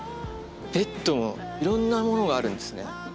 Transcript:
ベッドもいろんなものがあるんですね。